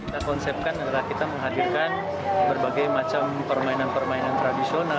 kita konsepkan adalah kita menghadirkan berbagai macam permainan permainan tradisional